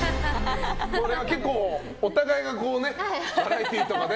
これは結構、お互いがバラエティーとかで